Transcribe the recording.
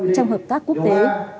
trong hợp tác quốc tế